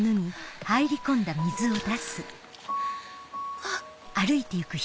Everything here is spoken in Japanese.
あっ！